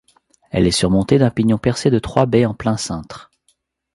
Elle est surmontée d'un pignon percé de trois baies en plein cintre.